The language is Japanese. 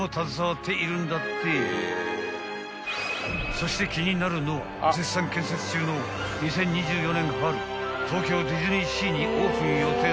［そして気になるのは絶賛建設中の２０２４年春東京ディズニーシーにオープン予定の］